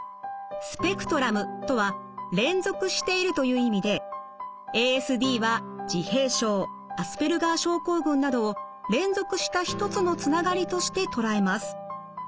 スペクトラムとは連続しているという意味でＡＳＤは自閉症アスペルガー症候群などを連続した一つのつながりとして捉えます。